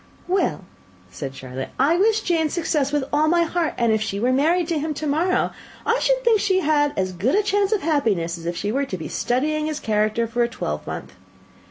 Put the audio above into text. "Well," said Charlotte, "I wish Jane success with all my heart; and if she were married to him to morrow, I should think she had as good a chance of happiness as if she were to be studying his character for a twelvemonth.